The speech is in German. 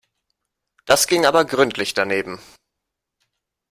Das ging aber gründlich daneben.